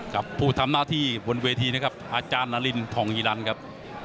กับผู้ทำหน้าที่บนเวทีนะครับอาจารย์นารินทองอีรันครับ